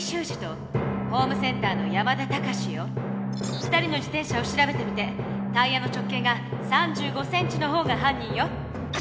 ２人の自転車を調べてみてタイヤの直径が３５ｃｍの方が犯人よ！